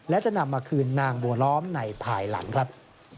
และจะนำมาคืนนางบัวล้อมในภายหลังครับ